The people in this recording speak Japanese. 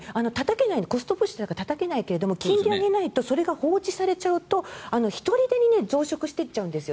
コストプッシュだとたたけないけど金利を上げないとそれが放置されるとひとりでに増殖するんです。